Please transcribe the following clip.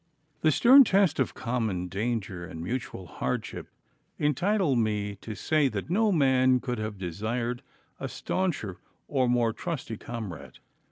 The stern test of common danger and mutual hardship entitle me to say that no man could have desired a stauncher or more trusty comrade.